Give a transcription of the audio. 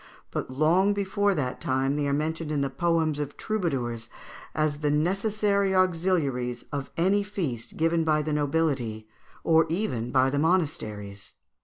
But long before that time they are mentioned in the poems of troubadours as the necessary auxiliaries of any feast given by the nobility, or even by the monasteries.